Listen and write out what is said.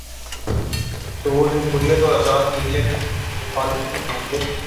تو وہ جمہوریت اور آزاد میڈیا کے مخالفین ہو ں گے۔